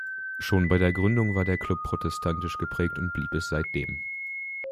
Schon bei der Gründung war der Club protestantisch geprägt und blieb es seitdem.